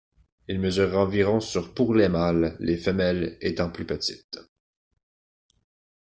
Elle mesure environ sur pour les mâles, les femelles étant plus petites.